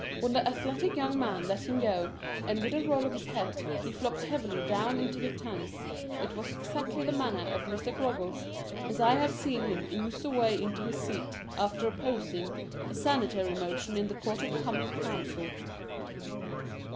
When the athletic young man let him go, and, with a roll of his head, he flopped heavily down into the tank, it was exactly the manner of Mr. Groggles as I have seen him ooze away into his seat, after opposing a sanitary motion in the Court of Common Council!